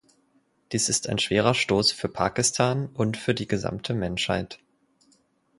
Dies ist ein schwerer Stoß für Pakistan und für die gesamte Menschheit.